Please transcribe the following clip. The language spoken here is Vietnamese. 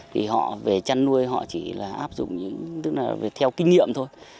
thì họ về chăn nuôi họ chỉ là áp dụng những tức là theo kinh nghiệm thôi